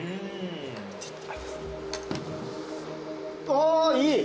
あいい！